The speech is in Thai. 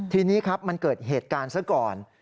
ทีนี้ครับมันเกิดเหตุการณ์ซะก่อน